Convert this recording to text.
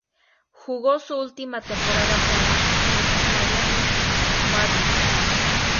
Jugó su última temporada para los Miami Marlins.